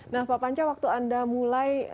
nah pak panca waktu anda mulai